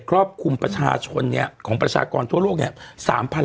ครอบคลุมประชาชนเนี่ยของประชากรทั่วโลกเนี่ย